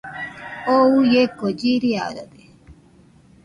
Oo uieko chiriarode.